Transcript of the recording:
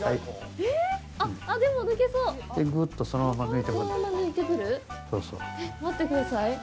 えっ、待ってください。